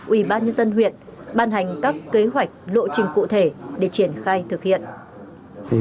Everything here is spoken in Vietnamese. ủy ban nhân dân huyện ban hành các kế hoạch lộ trình cụ thể để triển khai thực hiện